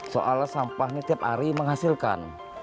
soal sampah ini tiap hari menghasilkan